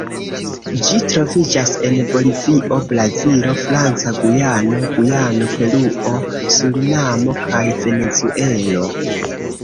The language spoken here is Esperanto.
Ĝi troviĝas en Bolivio, Brazilo, Franca Gujano, Gujano, Peruo, Surinamo kaj Venezuelo.